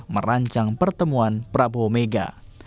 merancang pertemuan prabowo mega